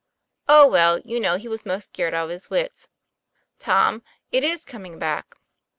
"Oh, well! you know he was most scared out of his wits." " Tom, it is coming back."